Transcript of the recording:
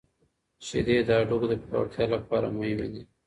شیدې د هډوکو د پیاوړتیا لپاره مهمې دي.